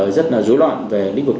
rất là rối loạn về lĩnh vực